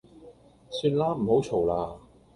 算啦，唔好嘈啦